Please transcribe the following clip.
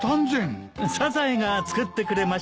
サザエが作ってくれまして。